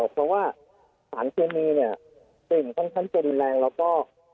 เพราะว่าสารเคมีเนี่ยกลิ่นค่อนข้างจะรุนแรงแล้วก็